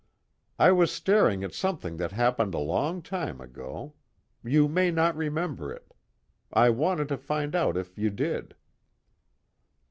"I was staring at something that happened a long time ago. You may not remember it. I wanted to find out if you did."